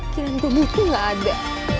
kiraan gue butuh gak ada